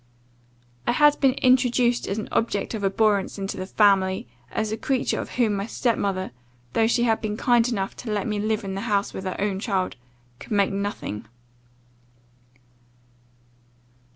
I had been introduced as an object of abhorrence into the family; as a creature of whom my step mother, though she had been kind enough to let me live in the house with her own child, could make nothing.